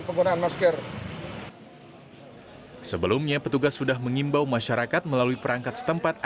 sejumlah warga terlihat memilih melakukan sholat tarawih di masjid